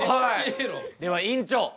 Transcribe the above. では院長